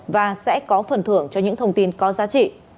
và sẽ có phần thưởng cho những thông tin có giá trị